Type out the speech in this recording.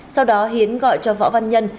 sau đó hiến gọi cho võ văn nhân